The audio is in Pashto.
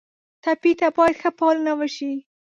ټپي ته باید ښه پالنه وشي.